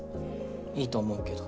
いいと思うけど。